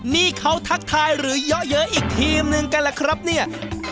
นี่เขาทักทายหรือเยอะอีกทีมหนึ่งกันล่ะครับเนี่ย